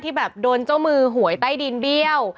แบบโดนเจ้ามือหวยใต้ดินเบี้ยว